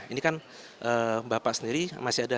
ini kan bapak sendiri masih ada